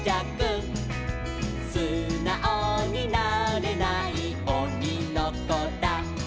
「すなおになれないオニのこだ」